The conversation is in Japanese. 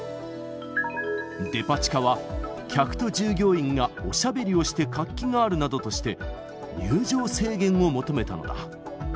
デパ地下は、客と従業員がおしゃべりをして活気があるなどとして、入場制限を求めたのだ。